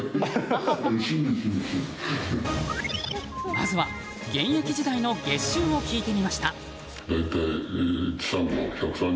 まずは、現役時代の月収を聞いてみました。